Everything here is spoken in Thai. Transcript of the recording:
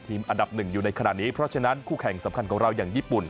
อันดับหนึ่งอยู่ในขณะนี้เพราะฉะนั้นคู่แข่งสำคัญของเราอย่างญี่ปุ่น